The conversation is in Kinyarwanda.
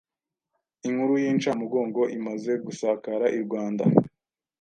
Inkuru y’incamugongo imaze gusakara i Rwanda,